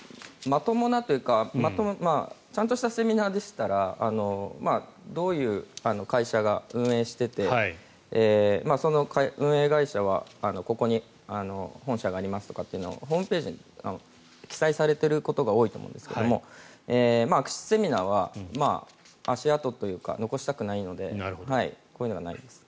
まともなというかちゃんとしたセミナーでしたらどういう会社が運営していてその運営会社はここに本社がありますというのをホームページに記載されていることが多いと思うんですけど悪質セミナーは、足跡というかそれを残したくないのでこういうのがないです。